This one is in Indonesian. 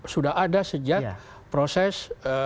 sudah ada sejak proses